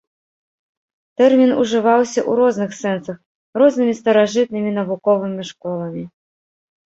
Тэрмін ужываўся ў розных сэнсах рознымі старажытнымі навуковымі школамі.